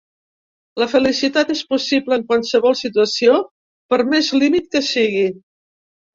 La felicitat és possible en qualsevol situació, per més límit que sigui.